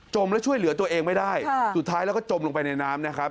มแล้วช่วยเหลือตัวเองไม่ได้สุดท้ายแล้วก็จมลงไปในน้ำนะครับ